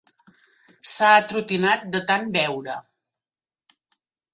S'ha atrotinat de tant beure.